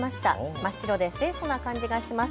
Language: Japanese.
真っ白で清そな感じがします。